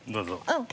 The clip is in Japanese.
うん。